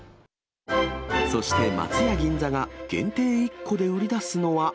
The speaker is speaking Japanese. そして松屋銀座が限定１個で売り出すのは。